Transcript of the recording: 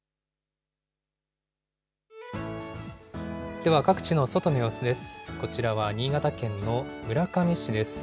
では各地の外の様子です。